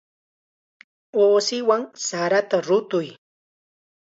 Uusiwan sarata rutuy.